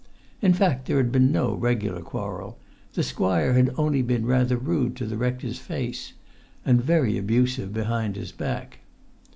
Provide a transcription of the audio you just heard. In fact there had been no regular quarrel: the squire had only been rather rude to the rector's face, and very abusive behind his back.